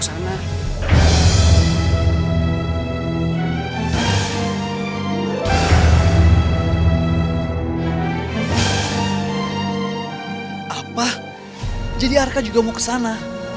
apa jadi arka juga mau ke sana